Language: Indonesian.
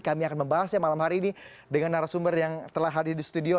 kami akan membahasnya malam hari ini dengan narasumber yang telah hadir di studio